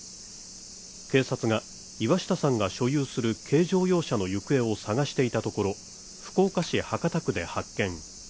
警察が岩下さんが所有する軽乗用車の行方を探していたところ、福岡市博多区で発見。